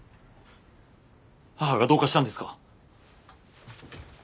母がどうかしたんですか？